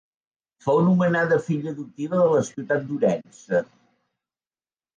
Fou nomenada filla adoptiva de la ciutat d'Ourense.